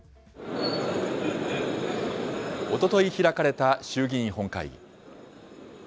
おととい開かれた衆議院本会議。